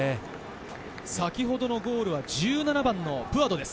先ほどのゴールは１７番のプアドです。